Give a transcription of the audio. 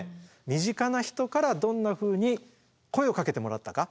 身近な人からどんなふうに声をかけてもらったか。